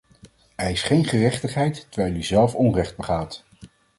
Eis geen gerechtigheid terwijl u zelf onrecht begaat!